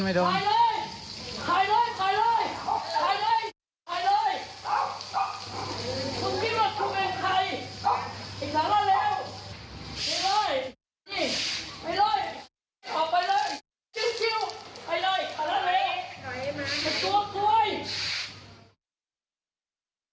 เป็นตัวตัวเว้ย